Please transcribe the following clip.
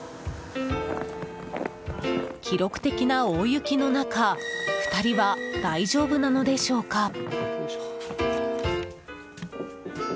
記録的な大雪の中２人は大丈夫なのでしょうか。